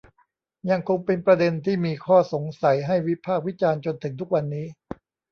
ยังคงเป็นประเด็นที่มีข้อสงสัยให้วิพากษ์วิจารณ์จนถึงทุกวันนี้